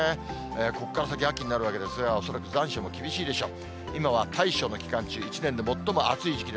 ここから先、秋になるわけですが、恐らく残暑も厳しいでしょう。